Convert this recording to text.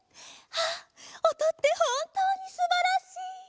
ああおとってほんとうにすばらしい！